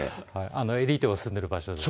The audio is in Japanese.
エリートが住んでる場所ですね。